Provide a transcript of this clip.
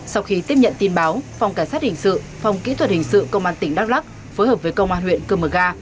sau khi tiếp nhận tin báo phòng cảnh sát hình sự phòng kỹ thuật hình sự công an tỉnh đắk lắc phối hợp với công an huyện cơ mờ ga